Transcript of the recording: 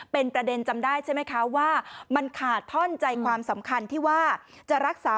เป็นประเด็นจำได้ใช่ไหมคะว่า